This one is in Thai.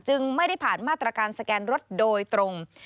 ไม่ได้ผ่านมาตรการสแกนรถโดยตรง